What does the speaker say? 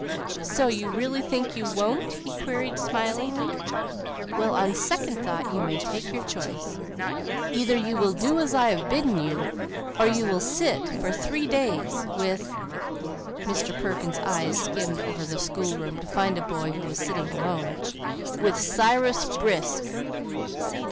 "So you really think you won't?" he queried smilingly. "Well, on second thoughts, you may take your choice. Either you will do as I have bidden you, or you will sit for three days with" Mr. Perkins' eye skimmed over the school room to find a boy who was sitting alone "with Cyrus Brisk."